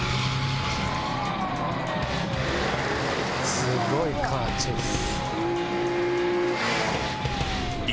すごいカーチェイス。